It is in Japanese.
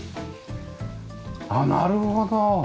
あっなるほど。